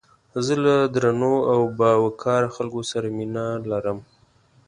زه له درنو او باوقاره خلکو سره مينه لرم